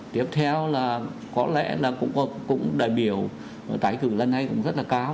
tiếp theo là có lẽ là cũng đại biểu tái cử lần này cũng rất là cao